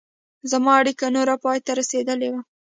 زما اړیکه نوره پای ته رسېدلې وه.